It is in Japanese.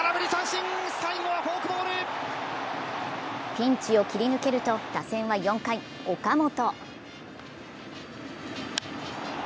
ピンチを切り抜けると打線は４回岡本。